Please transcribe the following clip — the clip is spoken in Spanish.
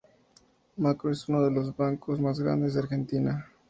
El Macro es uno de los bancos más grandes de Argentina.